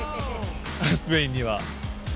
スペインには。